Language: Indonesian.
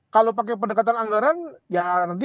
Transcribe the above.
kalau pakai pendekatan anggaran ya nanti